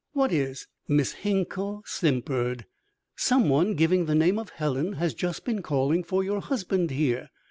"What is?" Miss Hinkle simpered. "Someone giving the name of Helen has just been calling for your husband here."